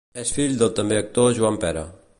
És fill del també actor Joan Pera.